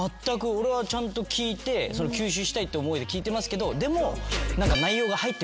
俺はちゃんと聞いて吸収したいって思いで聞いてますけどでも。